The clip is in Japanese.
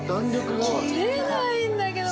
切れないんだけど。